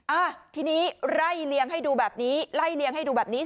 อ่ะทีนี้ไล่เลี้ยงให้ดูแบบนี้ไล่เลี้ยงให้ดูแบบนี้